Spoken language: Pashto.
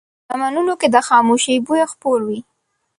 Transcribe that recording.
په چمنونو کې د خاموشۍ بوی خپور وي